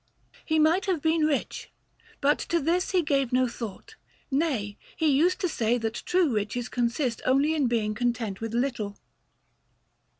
He might have been rich, but to this he gave no thought; nay, he used to say that true riches consist only in being content with little.